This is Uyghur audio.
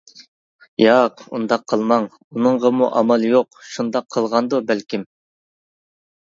-ياق، ئۇنداق قىلماڭ، ئۇنىڭغىمۇ ئامال يوق شۇنداق قىلغاندۇ بەلكىم.